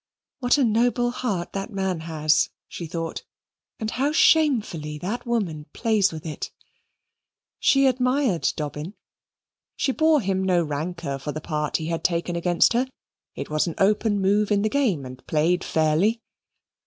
"What a noble heart that man has," she thought, "and how shamefully that woman plays with it!" She admired Dobbin; she bore him no rancour for the part he had taken against her. It was an open move in the game, and played fairly.